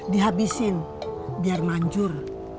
dihabisin biar manjur